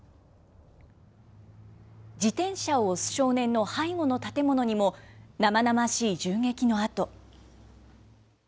自転車を押す少年の背後の建物にも、生々しい銃撃の痕。